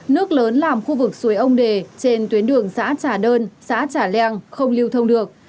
nước lớn làm khu vực suối ông đề trên tuyến đường xã trả đơn xã trả leang không lưu thông được